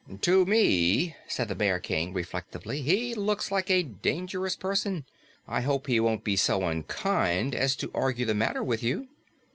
"To me," said the Bear King reflectively, "he looked like a dangerous person. I hope he won't be so unkind as to argue the matter with you."